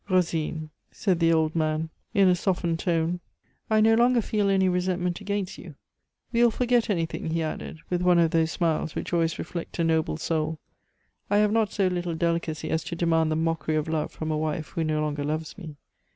"Rosine," said the old man in a softened tone, "I no longer feel any resentment against you. We will forget anything," he added, with one of those smiles which always reflect a noble soul; "I have not so little delicacy as to demand the mockery of love from a wife who no longer loves me."